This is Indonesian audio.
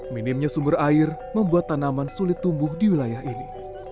minimnya sumber air membuat tanaman sulit tumbuh di wilayah ini